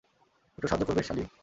একটু সাহায্য করবে, সালি?